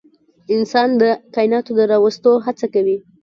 انسان د کایناتو د راوستو هڅه کوي.